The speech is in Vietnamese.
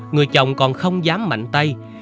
người chồng còn không dám mạnh tay